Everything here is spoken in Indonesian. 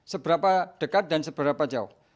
seberapa dekat dan seberapa jauh